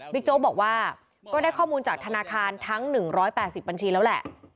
โจ๊กบอกว่าก็ได้ข้อมูลจากธนาคารทั้ง๑๘๐บัญชีแล้วแหละ